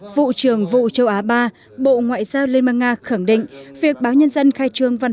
vụ trưởng vụ châu á ba bộ ngoại giao liên bang nga khẳng định việc báo nhân dân khai trương văn